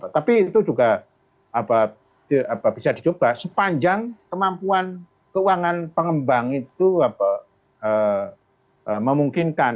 tapi itu juga bisa dicoba sepanjang kemampuan keuangan pengembang itu memungkinkan